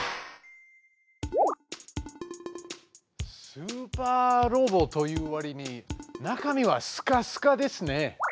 スーパーロボというわりに中身はすかすかですね。